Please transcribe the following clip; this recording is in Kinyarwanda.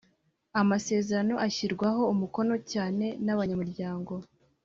amasezerano ashyirwaho umukono cyane nabanyamuryango.